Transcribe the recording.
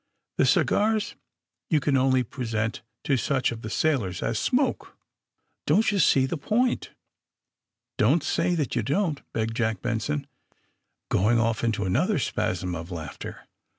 The cigars you can only present to such of the sail ors as smoke." ^ 'Don't you see the point I Bon't say that you don't," begged Jack Benson, going off into another spasm of laughter.